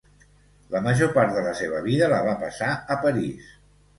La major part de la seva vida la va passar a París.